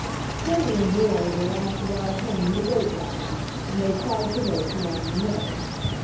Freddie and Roy were allowed to ride home in the goat wagons, and they tried to race along the way.